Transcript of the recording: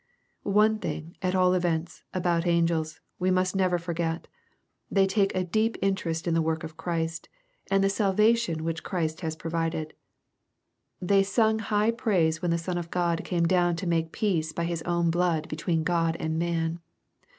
One thing, at all events, about angels, we must never forget. They take a deep interest in the work of Christ, and the salvation which Christ has provided. They sung high praise when the Son of God came down to make peace by His own blood between God and man.